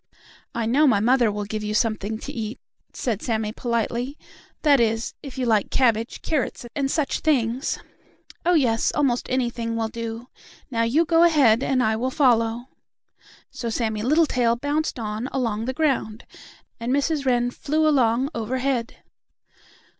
"I know my mother will give you something to eat," said Sammie politely, "that is, if you like cabbage, carrots and such things." "Oh, yes, almost anything will do. Now, you go ahead, and I will follow." So Sammie Littletail bounced on along the ground, and Mrs. Wren flew along overhead.